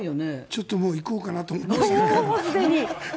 ちょっともう行こうかなと思いました。